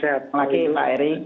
selamat pagi pak heri